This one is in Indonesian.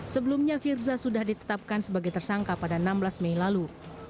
sebelumnya firza sudah ditetapkan sebagai tersangka pada enam belas mei lalu